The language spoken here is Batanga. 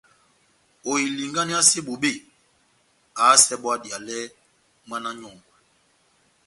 Ohilinganiyase bobé, ahásɛ bɔ́ adiyalɛ mwána nyɔ́ngwɛ.